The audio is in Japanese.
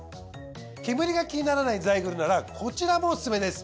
煙が気にならないザイグルならこちらもオススメです。